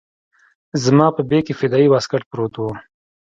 زما په بېګ کښې فدايي واسکټ پروت و.